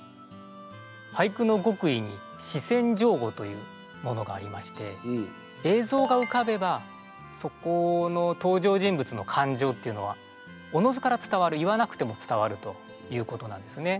俳句の極意に姿先情後というものがありまして映像がうかべばそこの登場人物の感情っていうのはおのずから伝わる言わなくても伝わるということなんですね。